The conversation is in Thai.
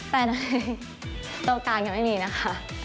แต่โต๊ะกลางยังไม่มีนะคะ